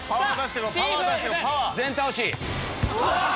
全倒し！